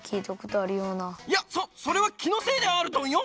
いやそそれはきのせいであるドンよ！